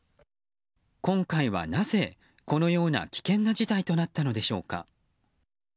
今回はなぜ、このような危険な事態となったのでしょうか。